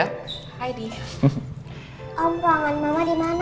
aku harus pergi aku harus pergi